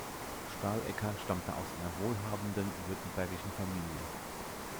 Stahlecker stammte aus einer wohlhabenden württembergischen Familie.